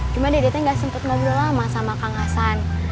cuma dedeknya enggak sempet ngobrol lama sama kang hasan